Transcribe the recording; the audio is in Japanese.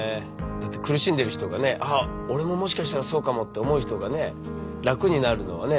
だって苦しんでる人がね「あっ俺ももしかしたらそうかも」って思う人がね楽になるのはね。